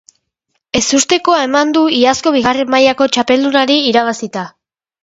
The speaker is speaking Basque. Ezustekoa eman du iazko bigarren mailako txapeldunari irabazita.